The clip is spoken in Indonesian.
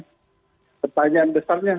pertanyaan besarnya maukah pertanyaan besarnya maukah